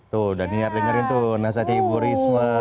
tuh dan ini yang dengerin tuh nasihatnya ibu risma